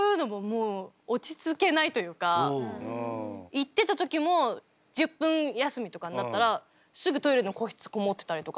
行ってた時も１０分休みとかになったらすぐトイレの個室籠もってたりとか１人で。